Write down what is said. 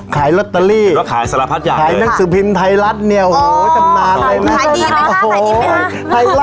ขายลอตเตอรี่ก็ขายสารพัดอย่างขายหนังสือพิมพ์ไทยรัฐเนี่ยโอ้โหตำนานเลยนะขายดีไหมคะขายดีไหมคะ